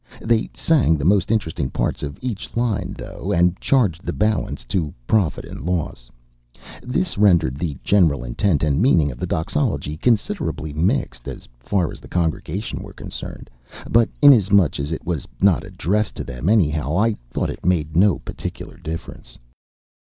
They sang the most interesting parts of each line, though, and charged the balance to "profit and loss;" this rendered the general intent and meaning of the doxology considerably mixed, as far as the congregation were concerned, but inasmuch as it was not addressed to them, anyhow, I thought it made no particular difference.